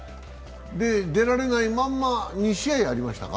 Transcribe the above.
出られないまんま、２試合やりましたか？